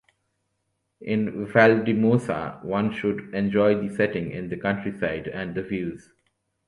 In Valldemossa, one should enjoy the setting in the countryside and the views.